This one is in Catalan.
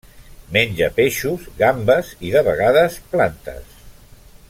Menja peixos, gambes i, de vegades, plantes.